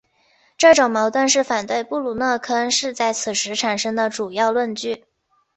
这种矛盾是反对布鲁诺坑是在此时产生的主要论据。